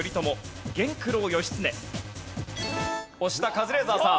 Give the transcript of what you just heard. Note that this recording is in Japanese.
カズレーザーさん。